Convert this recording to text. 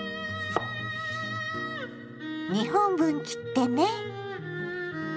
２本分切ってね。